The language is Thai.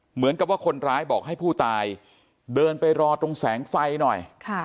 เหมือนกับว่าคนร้ายบอกให้ผู้ตายเดินไปรอตรงแสงไฟหน่อย